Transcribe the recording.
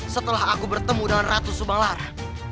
setelah aku bertemu dengan ratu subang lara